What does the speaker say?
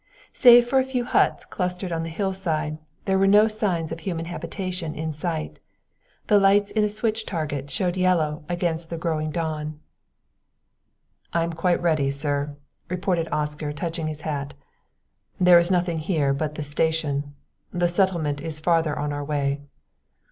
Save for a few huts clustered on the hillside, there were no signs of human habitation in sight. The lights in a switch target showed yellow against the growing dawn. "I am quite ready, sir," reported Oscar, touching his hat. "There is nothing here but the station; the settlement is farther on our way."